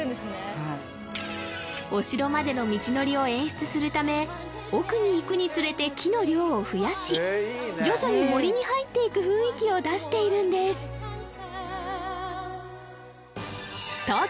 はいお城までの道のりを演出するため奥に行くにつれて木の量を増やし徐々に森に入っていく雰囲気を出しているんです東京